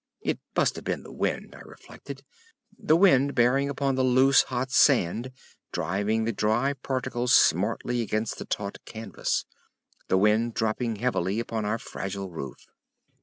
It must have been the wind, I reflected—the wind bearing upon the loose, hot sand, driving the dry particles smartly against the taut canvas—the wind dropping heavily upon our fragile roof.